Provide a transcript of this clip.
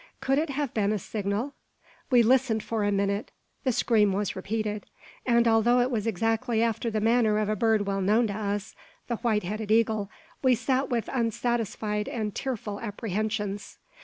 Could it have been a signal? We listened for a minute. The scream was repeated; and although it was exactly after the manner of a bird well known to us the white headed eagle we sat with unsatisfied and tearful apprehensions.